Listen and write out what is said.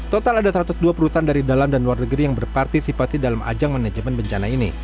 total ada satu ratus dua perusahaan dari dalam dan luar negeri yang berpartisipasi dalam ajang manajemen bencana ini